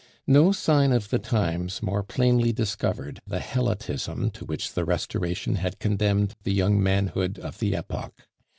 No sign of the times more plainly discovered the helotism to which the Restoration had condemned the young manhood of the epoch.